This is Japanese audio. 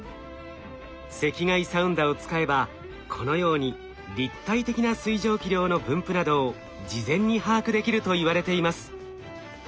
赤外サウンダを使えばこのように立体的な水蒸気量の分布などを事前に把握できるといわれています。